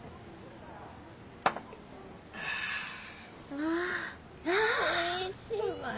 ああおいしい！